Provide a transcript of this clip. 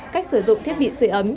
cách sử dụng thiết bị sửa ấm